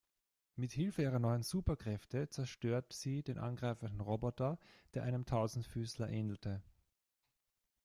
Mit Hilfe ihrer neuen Superkräfte zerstört sie den angreifenden Roboter, der einem Tausendfüßler ähnelte.